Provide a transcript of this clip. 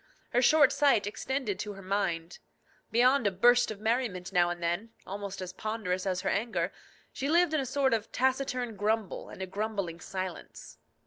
Her short sight extended to her mind. Beyond a burst of merriment now and then, almost as ponderous as her anger, she lived in a sort of taciturn grumble and a grumbling silence.